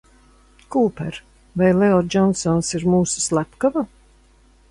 Kūper, vai Leo Džonsons ir mūsu slepkava?